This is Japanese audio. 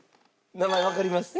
名前わかります。